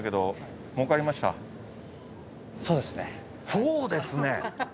「そうですね」？